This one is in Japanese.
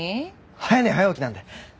早寝早起きなんで。